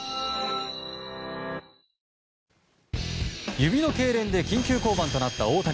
指のけいれんで緊急降板となった大谷。